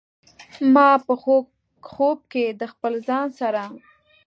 ما په خوب کې د خپل ځان سره